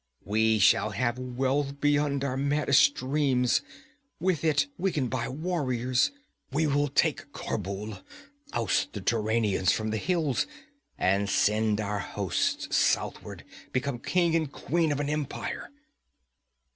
We shall have wealth beyond our maddest dreams. With it we can buy warriors. We will take Khorbhul, oust the Turanians from the hills, and send our hosts southward; become king and queen of an empire!'